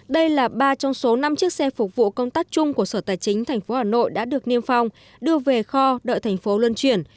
đây là ba trong số năm chiếc xe phục vụ công tác chung của sở tài chính tp hà nội đã được niêm phong đưa về kho đợi thành phố luân chuyển